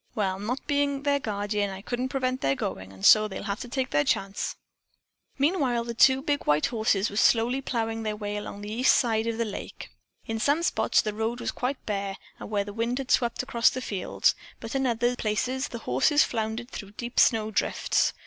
Well, not being their guardeen, I couldn't prevent their goin', and so they'll have to take their chance." Meanwhile the two big white horses were slowly ploughing their way along the east side of the lake. In some spots the road was quite bare where the wind had swept across the fields, but in other places the horses floundered through deep snow drifts.